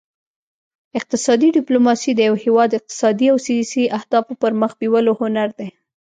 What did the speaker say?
اقتصادي ډیپلوماسي د یو هیواد اقتصادي او سیاسي اهدافو پرمخ بیولو هنر دی